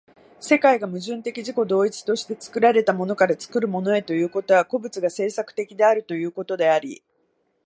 世界が矛盾的自己同一として作られたものから作るものへということは、個物が製作的であるということであり、